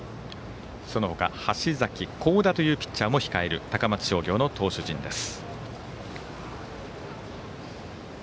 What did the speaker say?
そのほか、橋崎甲田というピッチャーも控える高松商業の投手陣です。